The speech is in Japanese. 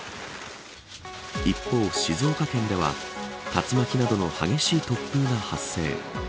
一方、静岡県では竜巻などの激しい突風が発生。